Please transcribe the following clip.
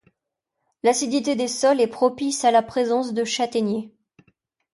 L'acidité des sols est propice à la présence de châtaignier.